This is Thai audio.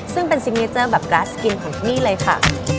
ซึ่งเป็นซิกเนเจอร์แบบกราสกินของที่นี่เลยค่ะ